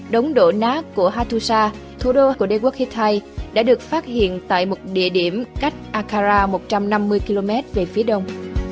đống đổ nát của hattusa thủ đô của đế quốc hittite đã được phát hiện tại một địa điểm cách akara một trăm năm mươi km về phía đông